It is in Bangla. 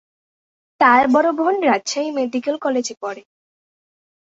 তার বড় বোন রাজশাহী মেডিকেল কলেজে পড়ে।